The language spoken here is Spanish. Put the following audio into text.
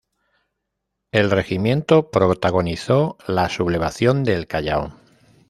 El regimiento protagonizó la Sublevación del Callao.